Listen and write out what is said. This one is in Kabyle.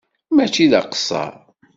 Mačči d aqeṣṣeṛ.